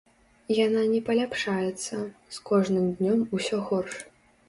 Яна не паляпшаецца, з кожным днём усё горш.